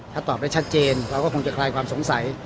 ถ้าตอบได้ชัดเจนเราก็คงจะคลายความสงสัย